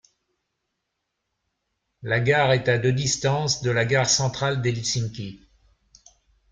La gare est à de distance de la Gare centrale d'Helsinki.